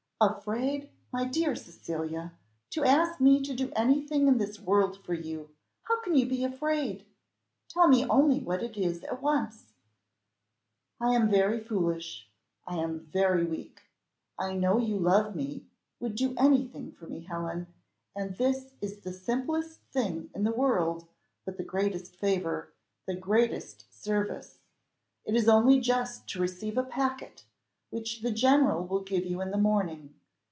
"Afraid! my dear Cecilia, to ask me to do anything in this world for you! How can you be afraid? Tell me only what it is at once." "I am very foolish I am very weak. I know you love me would do anything for me, Helen. And this is the simplest thing in the world, but the greatest favour the greatest service. It is only just to receive a packet, which the general will give you in the morning.